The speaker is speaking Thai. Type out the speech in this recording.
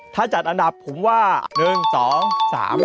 ถ้าจัดอันดับผมว่า๑๒๓